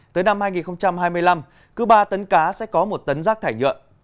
tới năm hai nghìn hai mươi năm cứ ba tấn cá sẽ có một tấn rác thải nhựa